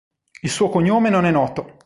Il suo cognome non è noto.